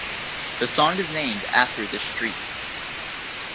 The song is named after this street.